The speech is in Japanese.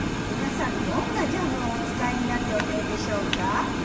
皆さんどんなジャムをお使いになる予定でしょうか？